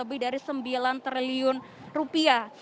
lebih dari sembilan triliun rupiah